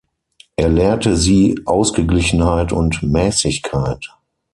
Er lehrte sie Ausgeglichenheit und Mäßigkeit.